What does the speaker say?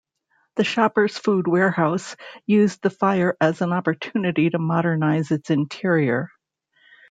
The Shoppers Food Warehouse used the fire as an opportunity to modernize its interior.